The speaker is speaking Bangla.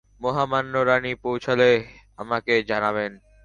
মহামান্য রানি পৌঁছালে আমাকে জানাবেন।